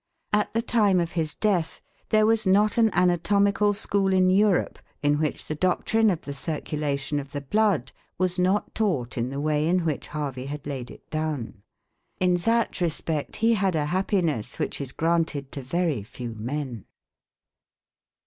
At the time of his death, there was not an anatomical school in Europe in which the doctrine of the circulation of the blood was not taught in the way in which Harvey had laid it down. In that respect he had a happiness which is granted to very few men.